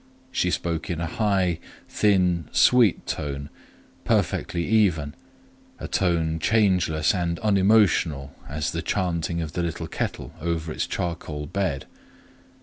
She spoke in a high thin sweet tone, perfectly even,—a tone changeless and unemotional as the chanting of the little kettle over its charcoal bed.